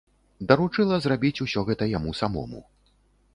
Даручыла зрабіць усё гэта яму самому.